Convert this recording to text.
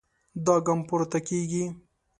دا ګام پورته کېږي.